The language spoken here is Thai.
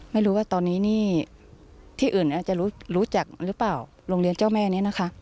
ไม่รู้ว่าตอนนี้นี่ที่อื่นอาจจะรู้จักหรือเปล่าโรงเรียนเจ้าแม่นี้นะคะ